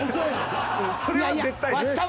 それは絶対です。